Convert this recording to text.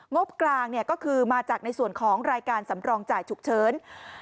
งบกลางก็คือมาจากในส่วนของรายการสำรองจ่ายฉุกเฉิน